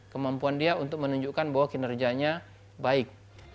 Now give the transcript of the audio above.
kemampuan dia untuk menunjukkan bahwa kinerjanya baik